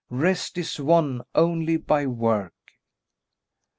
Rest is won only by work."